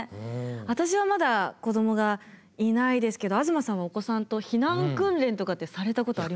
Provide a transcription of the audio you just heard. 私はまだ子どもがいないですけど東さんはお子さんと避難訓練とかってされたことありますか？